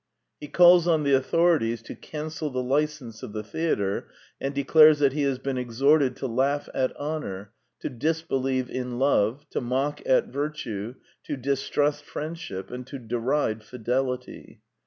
He calls on the authorities to cancel the license of the theatre, and declares that he has been exhorted to laugh at honor, to disbelieve in love, to mock at virtue, to distrust friendship, and to deride fidelity.